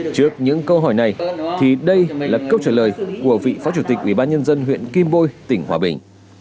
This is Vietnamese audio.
trước những câu hỏi này thì đây là câu trả lời của vị phó chủ tịch ubnd huyện kim bôi tỉnh hòa bình